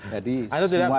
jadi semua harus terungkul ya